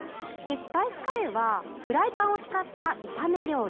スパイスカレーはフライパンを使った炒め料理。